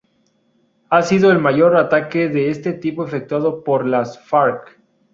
Ha sido el mayor ataque de este tipo efectuado por las Farc.